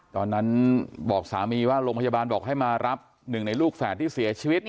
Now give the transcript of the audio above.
ตอนนั้นบอกสามีว่าโรงพยาบาลบอกให้มารับหนึ่งในลูกแฝดที่เสียชีวิต